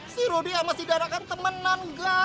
si rudy sama si dara kan temenan enggak